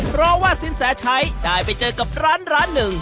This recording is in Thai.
เพราะว่าสินแสชัยได้ไปเจอกับร้านร้านหนึ่ง